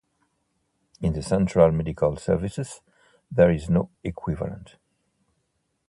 In the Central Medical Services there is no equivalent.